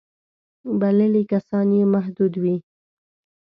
بللي کسان یې محدود وي.